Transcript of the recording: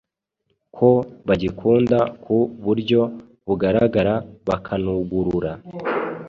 ko bagikunda ku buryo bugaragara bakanugurura